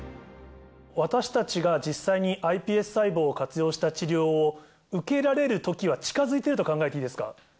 私たちが実際にｉＰＳ細胞を活用した治療を受けられるときは近づいていると考えていいですか。